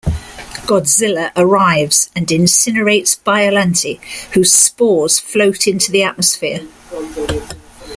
Godzilla arrives and incinerates Biollante, whose spores float into the atmosphere.